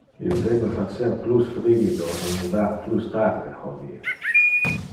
Il debe facer plus frigido e nivar plus tarde hodie.